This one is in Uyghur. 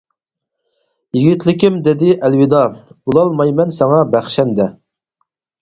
يىگىتلىكىم دېدى ئەلۋىدا، بولالمايمەن ساڭا بەخشەندە.